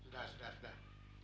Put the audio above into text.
sudah sudah sudah